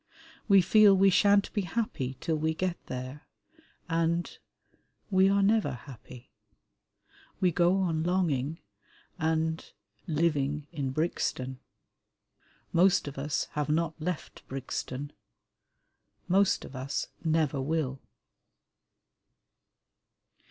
We feel we shan't be happy till we get there, and ... we are never happy. We go on longing and ... living in Brixton. Most of us have not left Brixton; most of us never will.